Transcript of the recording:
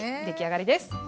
出来上がりです。